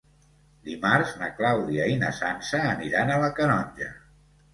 Dimarts na Clàudia i na Sança aniran a la Canonja.